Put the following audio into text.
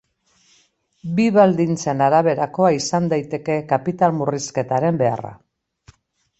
Bi baldintzen araberakoa izan daiteke kapital-murrizketaren beharra.